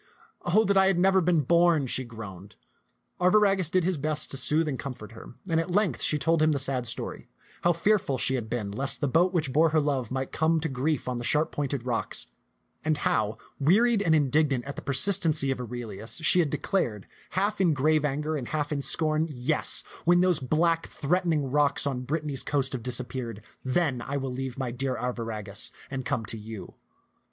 Oh, that I had never been born !" she groaned. Arviragus did his best to soothe and comfort her, and at length she told him the sad story, how fearful she had been lest the boat which bore her love might come to grief on the sharp pointed rocks, and how, wearied and indignant at the persistency of Aurelius, she had declared, half in grave anger and half in scorn, " Yes, when those black, threatening rocks on Brittany's coast have disappeared, then will I leave my dear Arviragus and come to you."